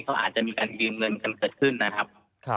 เขาอาจจะมีการยืมเงินกันเกิดขึ้นนะครับ